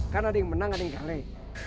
kan ada yang menang ada yang kale